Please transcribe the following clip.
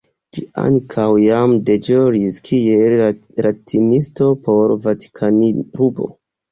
Li ankaŭ jam deĵoris kiel latinisto por Vatikanurbo.